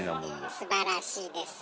すばらしいです。